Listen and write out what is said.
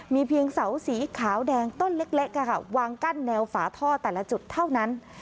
มีเพียงเสาสีขาวแดงต้นเล็กวางกั้นแนวฝาท่อแต่ละจุดเท่านั้น